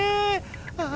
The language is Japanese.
あ！